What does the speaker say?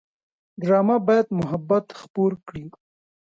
ډرامه باید محبت خپور کړي